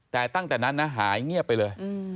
แต่ตั้งแต่นั้นนะหายเงียบไปเลย